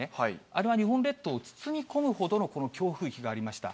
あれは日本列島を包み込むほどのこの強風域がありました。